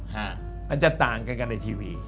อาจจะต่างกันกันในทีวี